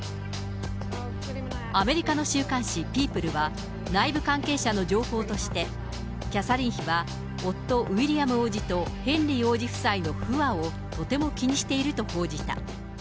アメリカの週刊誌、ピープルは、内部関係者の情報として、キャサリン妃は夫、ウィリアム王子とヘンリー王子夫妻の不和をとても気にしていると報じた。